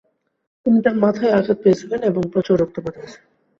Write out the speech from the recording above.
তিনি তার মাথায় আঘাত পেয়েছিলেন এবং প্রচুর রক্তপাত হয়েছে।